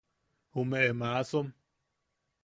Jumeʼe maasom.